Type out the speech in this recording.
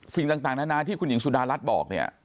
สิ่งต่างนานาที่คุณหญิงสุดารัฐบอกเนี่ย